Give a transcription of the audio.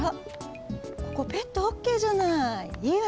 ここペットＯＫじゃない。